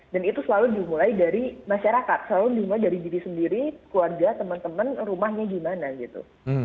dan itu selalu dimulai dari masyarakat selalu dimulai dari diri sendiri keluarga teman teman rumahnya gimana gitu